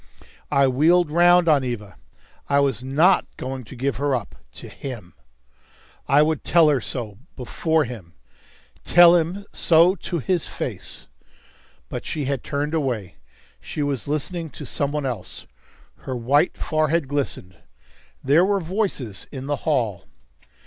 I wheeled round on Eva. I was not going to give her up to him. I would tell her so before him tell him so to his face. But she had turned away; she was listening to some one else. Her white forehead glistened. There were voices in the hall.